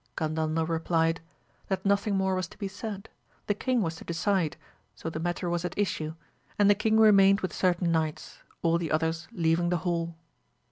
Gandandel replied, that nothing more was to be said : the king was to decide, so the matter was at issue, and the king remained with cer tain knights, all the others leaving the hall.